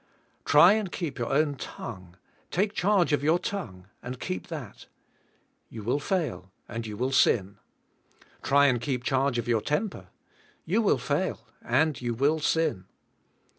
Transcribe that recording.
Try and keep your own tongue — take charge of your tongue and keep that; you will fail and you will sin. Try and keep charge of your temper. You will fail and you will sin.